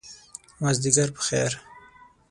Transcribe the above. مازدیګر په خیر !